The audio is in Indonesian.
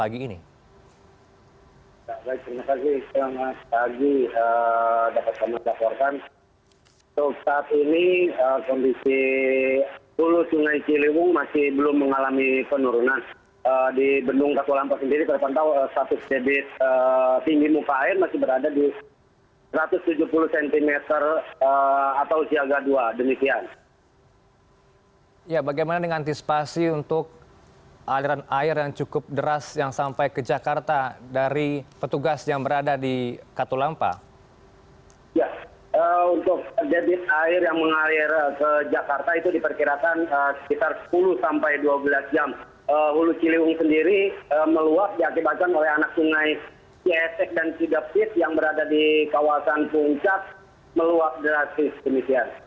hulu ciliwung sendiri meluap diakibatkan oleh anak sungai ciesek dan cidapit yang berada di kawasan puncak meluap drastis